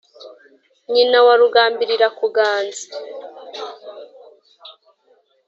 nyina wa rugambirira kuganza